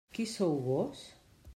Qui sou vós?